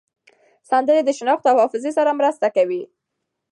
سندرې د شناخت او حافظې سره مرسته کوي.